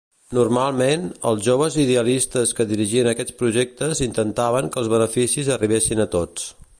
Normalment, els joves idealistes que dirigien aquests projectes intentaven que els beneficis arribessin a tots.